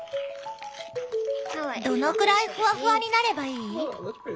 どのくらいフワフワになればいい？